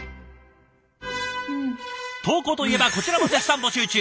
投稿といえばこちらも絶賛募集中。